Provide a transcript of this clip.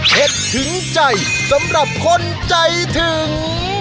ถึงใจสำหรับคนใจถึง